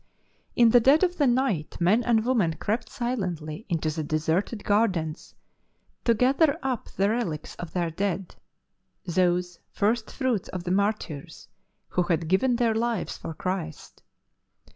In the dead of tlie night men and women crept silently into the deserted gardens to gather up the relics of their dead, those fiist fruits of the martyrs who had given their lives for Christ.